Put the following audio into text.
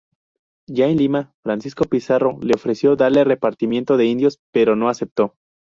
Ya en Lima, Francisco Pizarro le ofreció darle repartimiento de indios, pero no aceptó.